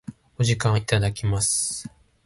お時間をいただき